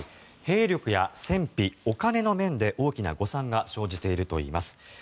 兵力や戦費、お金の面で大きな誤算が生じているといいます。